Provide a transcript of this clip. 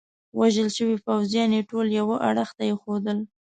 وژل شوي پوځیان يې ټول یوه اړخ ته ایښودل.